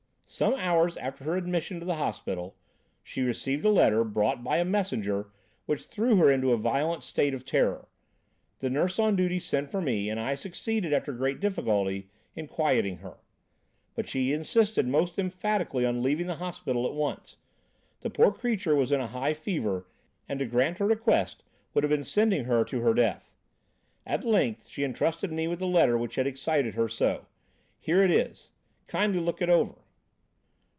Some hours after her admission to the hospital, she received a letter, brought by a messenger, which threw her into a violent state of terror. The nurse on duty sent for me, and I succeeded, after great difficulty, in quieting her; but she insisted most emphatically on leaving the hospital at once. The poor creature was in a high fever, and to grant her request would have been sending her to her death. At length she intrusted me with the letter which had excited her so. Here it is, kindly look it over."